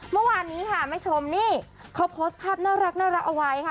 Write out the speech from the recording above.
เมื่อวานนี้ค่ะแม่ชมนี่เขาโพสต์ภาพน่ารักเอาไว้ค่ะ